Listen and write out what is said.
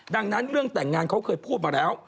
ดังนั้นเรื่องแต่งงานเขาเคยพูดมาแล้ว